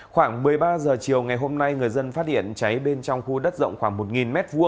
khoảng một mươi ba h chiều ngày hôm nay người dân phát hiện cháy bên trong khu đất rộng khoảng một m hai